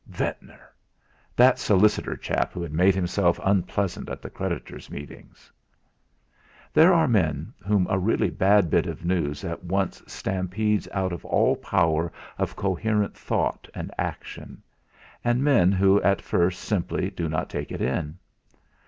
Ventnor! That solicitor chap who had made himself unpleasant at the creditors' meetings! There are men whom a really bad bit of news at once stampedes out of all power of coherent thought and action, and men who at first simply do not take it in.